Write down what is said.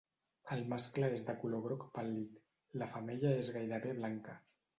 El mascle és de color groc pàl·lid; la femella és gairebé blanca.